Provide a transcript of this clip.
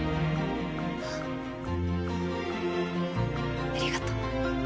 あっありがとう。